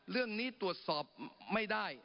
เรื่องนี้ตรวจสอบไม่ได้